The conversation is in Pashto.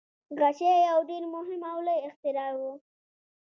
غشی یو ډیر مهم او لوی اختراع و.